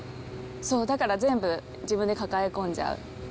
だから全部自分で抱え込んじゃう。